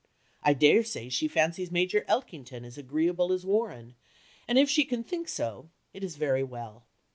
I dare say she fancies Major Elkington as agreeable as Warren, and if she can think so, it is very well."